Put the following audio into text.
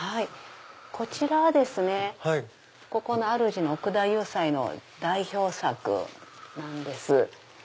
こちらはここのあるじの奥田祐斎の代表作なんです。